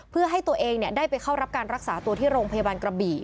เพื่อให้ตัวเองได้ไปเข้ารับการรักษาตัวที่โรงพยาบาลกระบี่